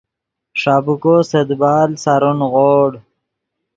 ݰابیکو سے دیبال سارو نیغوڑ